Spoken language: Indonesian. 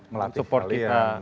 mereka melatih kalian